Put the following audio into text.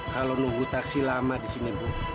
kalo nunggu taksi lama disini bu